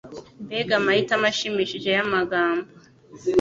Mbega amahitamo ashimishije yamagambo.